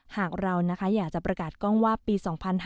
หากเราอยากจะประกาศกล้องว่าปี๒๕๕๙